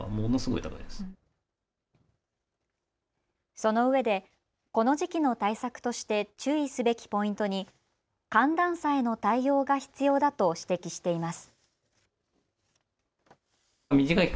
そのうえでこの時期の対策として注意すべきポイントに寒暖差への対応が必要だと指摘しています。